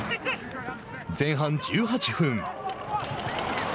前半１８分。